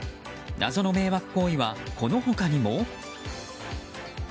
謎の迷惑行為はこの他にも？